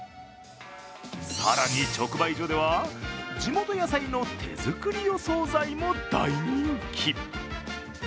更に、直売所では、地元野菜の手作りお総菜も大人気。